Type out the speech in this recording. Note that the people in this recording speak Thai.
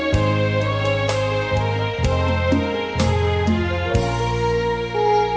ไปยักษ์นานอย่างเดียวไปยักษ์นานอย่างเดียว